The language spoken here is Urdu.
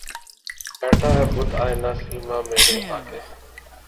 بیٹھا ہے بت آئنہ سیما مرے آگے